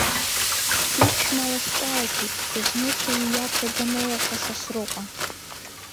Иԥшәма лахь ҿааиҭит, дызмыцәо ииарҭа данылаха Сасрыҟәа.